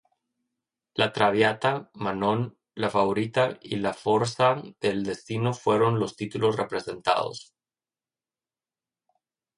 La Traviata, Manon, La favorita y La forza del destino fueron los títulos representados.